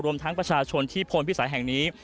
รวมทั้งประชาชนที่พลพิสัยแห่งนี้